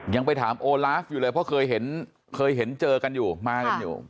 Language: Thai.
ยังไปถามโอลาฟอยู่เลยเพราะเคยเห็นเคยเห็นเจอกันอยู่มากันอยู่